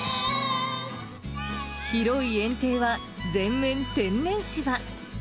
広い園庭は全面天然芝。